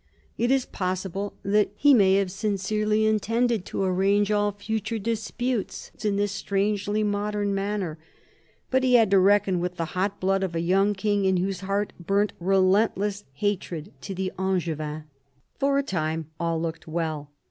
It is possible that he may have sincerely intended to arrange all future disputes in this strangely modern manner, but he had to reckon with the hot blood of a young king in whose heart burnt relent less hatred to the Angevins. For the time all looked well.